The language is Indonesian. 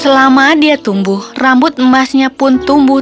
selama dia tumbuh rambut emasnya pun tumbuh